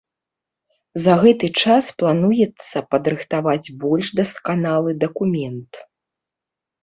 За гэты час плануецца падрыхтаваць больш дасканалы дакумент.